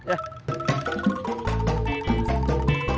eh wegeng morgan ya